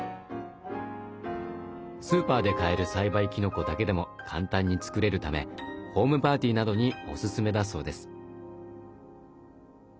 スーパーで買える栽培きのこだけでも簡単に作れるためホームパーティーなどにおすすめだそうです。